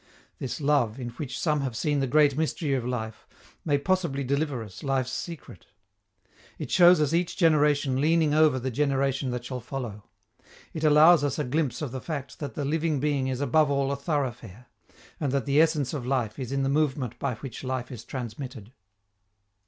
This love, in which some have seen the great mystery of life, may possibly deliver us life's secret. It shows us each generation leaning over the generation that shall follow. It allows us a glimpse of the fact that the living being is above all a thoroughfare, and that the essence of life is in the movement by which life is transmitted.